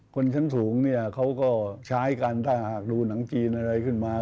คนชั้นสูงเนี่ยเขาก็ใช้กันถ้าหากดูหนังจีนอะไรขึ้นมา